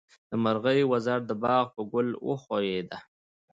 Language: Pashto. د مرغۍ وزر د باغ په ګل وښویېد.